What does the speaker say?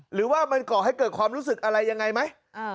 หรือว่ามันก่อให้เกิดความรู้สึกอะไรยังไงไหม